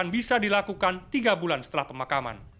bisa dilakukan tiga bulan setelah pemakaman